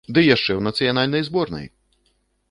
Ды яшчэ ў нацыянальнай зборнай!